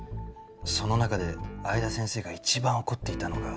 その中で相田先生が一番怒っていたのが。